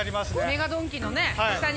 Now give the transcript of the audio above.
ＭＥＧＡドン・キの下に。